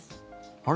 あれ？